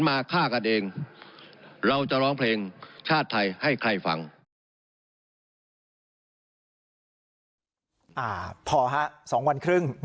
พอครับสองวันครึ่ง